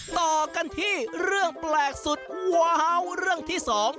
ต่อกันที่เรื่องแปลกสุดว้าวเรื่องที่สอง